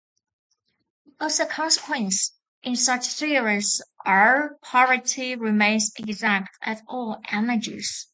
As a consequence, in such theories R-parity remains exact at all energies.